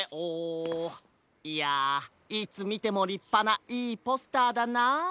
いやいつみてもりっぱないいポスターだなあ。